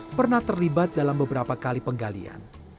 yang pernah terlibat dalam beberapa kali penggalian